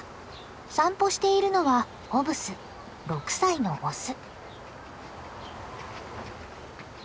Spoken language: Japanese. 散歩しているのはホブス６歳のオス。